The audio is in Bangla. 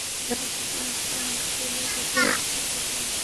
যাওয়া-আসার পথে যেটুকু সময় পেয়েছি, সেই সময়টাতে যতটুকু দেখা যায়, তা-ই দেখেছি।